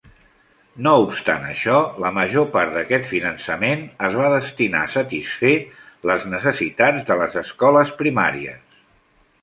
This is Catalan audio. No obstant això, la major part d'aquest finançament es va destinar a satisfer les necessitats de les escoles primàries.